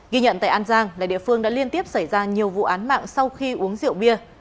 ghi nhận tại an giang là địa phương đã liên tiếp xảy ra nhiều vụ án mạng sau khi uống rượu bia